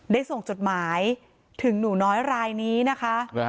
ได้ส่งจดหมายถึงหนูน้อยรายนี้นะคะ